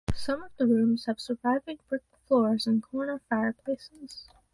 Some of the rooms have surviving brick floors and corner fireplaces.